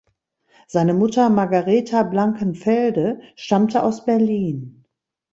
Seine Mutter Margaretha Blankenfelde stammte aus Berlin.